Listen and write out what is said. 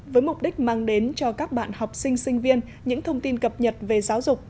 với mục đích mang đến cho các bạn học sinh sinh viên những thông tin cập nhật về giáo dục